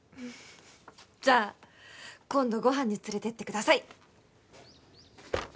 じゃあ今度ご飯に連れてってください